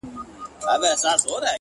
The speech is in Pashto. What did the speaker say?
رڼا ترې باسم له څراغه _